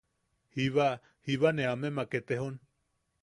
Jiba; jiba ne amemak etejon.